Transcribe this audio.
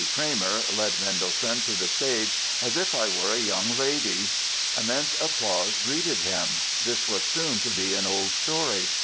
Cramer led Mendelssohn to the stage "as if I were a young lady". "Immense applause" greeted him. This was soon to be an old story.